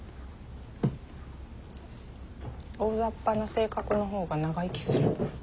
大ざっぱな性格の方が長生きすると。